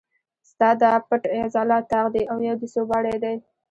ستا دا پټ عضلات طاق دي او یو دې سوباړی دی.